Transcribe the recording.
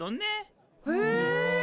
え！